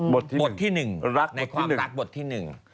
บทที่๑ในความรักบทที่๑